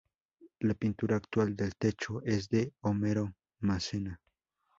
La pintura actual del techo es de Homero Massena.